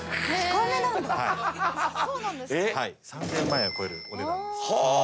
３，０００万円を超えるお値段です。